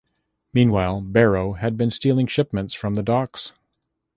Meanwhile Bero has been stealing shipments from the Docks.